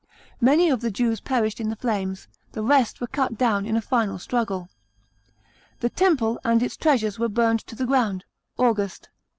Many of the Jews perished in the flames, the rest were cut down in a final struggle. The Temple and its treasures were burned to the ground (August).